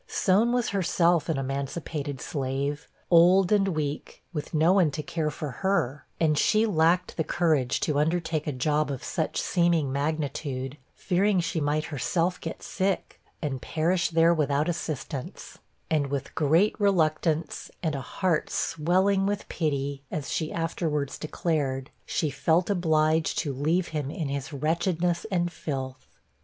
Soan was herself an emancipated slave, old and weak, with no one to care for her; and she lacked the courage to undertake a job of such seeming magnitude, fearing she might herself get sick, and perish there without assistance; and with great reluctance, and a heart swelling with pity, as she afterwards declared, she felt obliged to leave him in his wretchedness and filth.